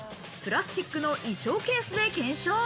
プラスチックの衣装ケースで検証。